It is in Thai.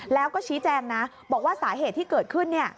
แล้วก็ชี้แจงนะบอกว่าสาเหตุที่เกิดขึ้น